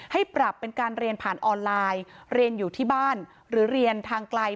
ให้ปรับเป็นการเรียนผ่านออนไลน์เรียนอยู่ที่บ้านหรือเรียนทางไกล